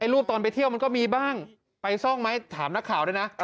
รูปตอนไปเที่ยวมันก็มีบ้างไปซ่องไหมถามนักข่าวด้วยนะ